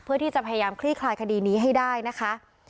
เพื่อที่จะพยายามคลี่คลายคดีนี้ให้ได้นะคะ